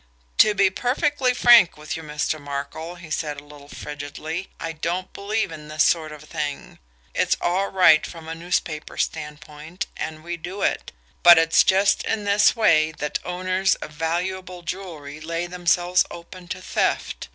"To be perfectly frank with you, Mr. Markel," he said a little frigidly, "I don't believe in this sort of thing. It's all right from a newspaper standpoint, and we do it; but it's just in this way that owners of valuable jewelry lay themselves open to theft.